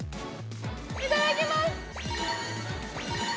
いただきます！